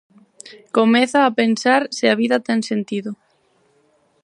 Comeza a pensar se a vida ten sentido.